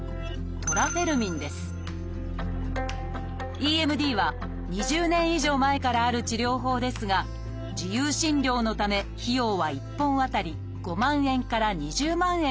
「ＥＭＤ」は２０年以上前からある治療法ですが自由診療のため費用は１本あたり５万円から２０万円